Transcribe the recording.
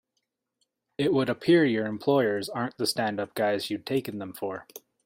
It would appear your employers aren't the stand up guys you'd taken them for.